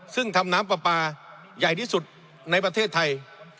ซึ่งทำน้ำปลาปลาใหญ่ที่สุดในประเทศไทย